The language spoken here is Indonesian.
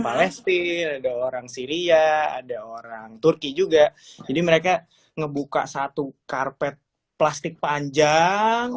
palesti ada orang syria ada orang turki juga jadi mereka ngebuka satu karpet plastik panjang